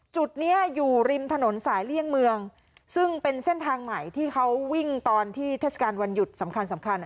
จุดเนี้ยอยู่ริมถนนสายเลี่ยงเมืองซึ่งเป็นเส้นทางใหม่ที่เขาวิ่งตอนที่เทศกาลวันหยุดสำคัญสำคัญ